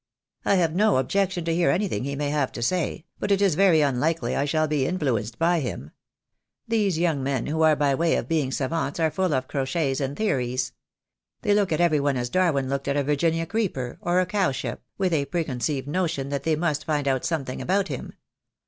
"I have no objection to hear anything he may have to say, but it is very unlikely I shall be influenced by him. These young men, who are by way of being savants, are full of crochets and theories. They look at every one as Darwin looked at a Virginia creeper or a cowslip, with a preconceived notion that they must find out something about him.